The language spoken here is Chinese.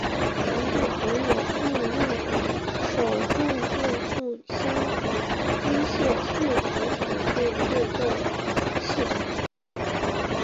银鬼魂也共用了手动变速箱和机械伺服辅助制动系统。